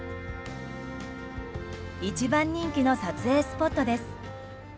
一番人気の撮影スポットです。